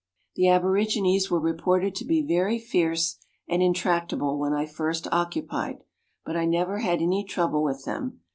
The aborigines were reported to be very fierce and intract able when I first occupied, but I never had any trouble with them.